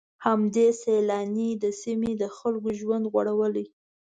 همدې سيلانۍ د سيمې د خلکو ژوند غوړولی.